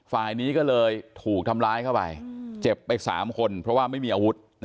ฝ่ายนี้ก็เลยถูกทำร้ายเข้าไปเจ็บไป๓คนเพราะว่าไม่มีอาวุธ